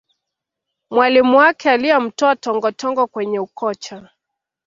mwalimu wake aliyemtoa tongotongo kwenye ukocha